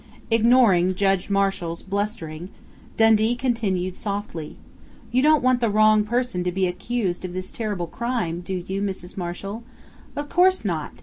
Ignoring Judge Marshall's blustering, Dundee continued softly: "You don't want the wrong person to be accused of this terrible crime, do you, Mrs. Marshall?... Of course not!